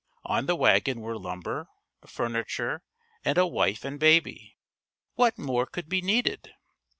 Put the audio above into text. On the wagon were lumber, furniture and a wife and baby. What more could be needed!